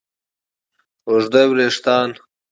اوږده وېښتیان